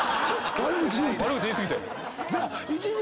悪口言い過ぎて。